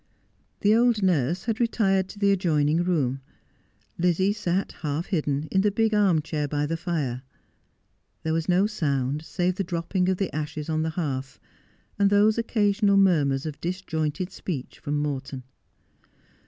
The old nurse had retired to the adjoining room. Lizzie sat, half hidden, in the big arm chair by the fire. There' was no sound save the dropping of the ashes on the hearth, and those occasional murmurs of disjointed speech from Morton.